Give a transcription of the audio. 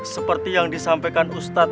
seperti yang disampaikan ustadz